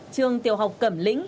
trường tiểu học cẩm lĩnh